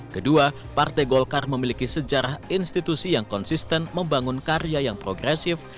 kedua partai golkar memiliki sejarah institusi yang konsisten membangun karya yang progresif